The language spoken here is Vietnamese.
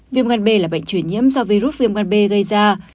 viêm gan b là bệnh truyền nhiễm do virus viêm gan b gây ra